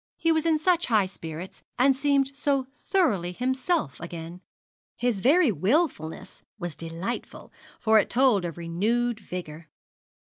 He was in such high spirits, and seemed so thoroughly himself again. His very wilfulness was delightful, for it told of renewed vigour.